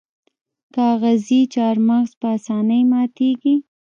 کاغذي چهارمغز په اسانۍ ماتیږي.